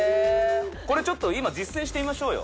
これちょっと今実践してみましょうよ。